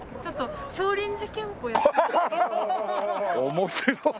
面白い。